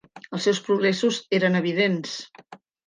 Els seus progressos eren evidents.